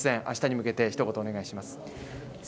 あしたに向けてひと言、お願いします。